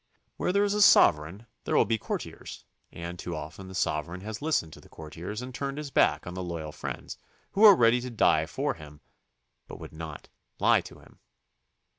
Where there is a sovereign there will be courtiers, and too often the sovereign has listened to the courtiers and turned his back on the loyal friends who were ready to die for him but would not lie to him.